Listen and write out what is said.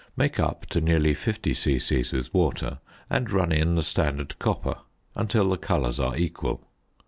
Make up to nearly 50 c.c. with water, and run in the standard copper until the colours are equal.